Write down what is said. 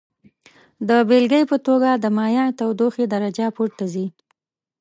د بیلګې په توګه د مایع تودوخې درجه پورته ځي.